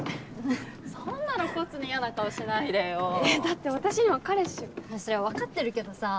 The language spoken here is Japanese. そんな露骨に嫌な顔しないでよえっだって私には彼氏がそりゃ分かってるけどさ